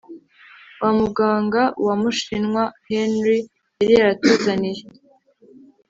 wa muganga wumushinwa Henry yari yaratuzaniye